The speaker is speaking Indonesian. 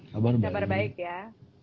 kabar baik ya